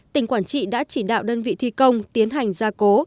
tỉnh quảng trị đã chỉ đạo đơn vị thi công tiến hành gia cố